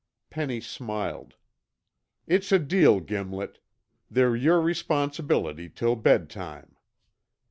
Penny smiled, "It's a deal, Gimlet. They're your responsibility till bedtime."